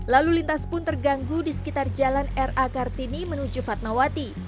lalu lintas pun terganggu di sekitar jalan r a kartini menuju fatmawati